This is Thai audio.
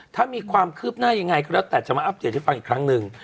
ถ้ามีความคืบหน้ายังไงก็แล้วแต่จะมาอัปเดตให้ฟังอีกครั้งหนึ่ง